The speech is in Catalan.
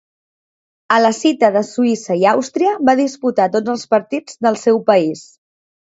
A la cita de Suïssa i Àustria, va disputar tots els partits del seu país.